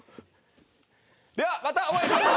ではまたお会いしましょう！